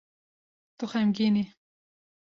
Tu xemgîn î.